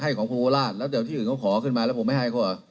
ให้ของครูโคราชแล้วเดี๋ยวที่ขอขึ้นมาแล้วผมไม่ให้ข้อ